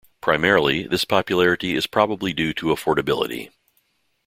Primarily, this popularity is probably due to affordability.